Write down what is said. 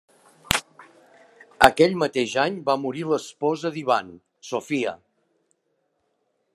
Aquell mateix any va morir l'esposa d'Ivan, Sofia.